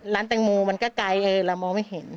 แตงโมมันก็ไกลเรามองไม่เห็น